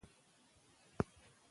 سالم ماشومان سالمې پرېکړې کوي.